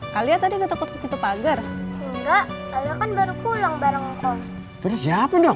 kalian tadi ketuk ketuk pintu pagar enggak akan baru pulang bareng kau terus siapa dong